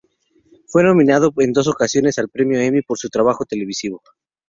Fue nominado en dos ocasiones al Premio Emmy por su trabajo televisivo.